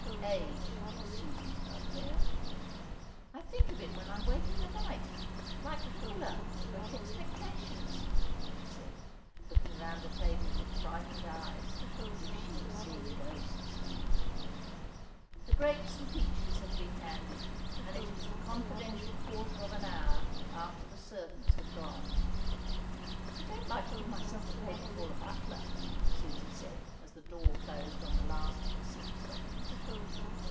Age was Susan's bugbear. "I think of it when I wake in the night, like Camilla, in 'Great Expectations,'" she said, looking round the table with frightened eyes, as if she were seeing ghosts. The grapes and peaches had been handed, and it was the confidential quarter of an hour after the servants had gone. "I don't like to give myself away before a butler," Susie said, as the door closed on the last of the silk stockings.